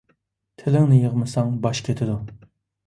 تىلىڭنى يىغمىساڭ باش كېتىدۇ.